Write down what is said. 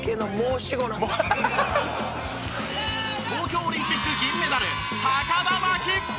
東京オリンピック銀メダル田真希。